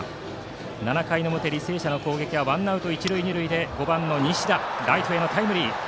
７回表、履正社の攻撃はワンアウト一塁二塁で５番の西田ライトへのタイムリー。